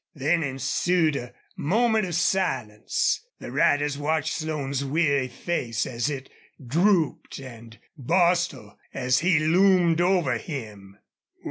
Then ensued a moment of silence. The riders watched Slone's weary face as it drooped, and Bostil, as he loomed over him.